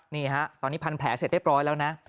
นี่ฮะตอนนี้พันแผลเสร็จเรียบร้อยแล้วนะ